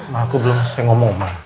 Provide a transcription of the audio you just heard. ma aku belum selesai ngomong ma